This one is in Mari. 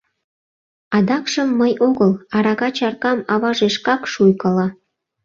Адакшым мый огыл, арака чаркам аваже шкак шуйкала.